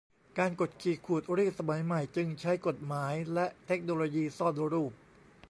การกดขี่ขูดรีดสมัยใหม่จึงใช้กฎหมายและเทคโนโลยีซ่อนรูป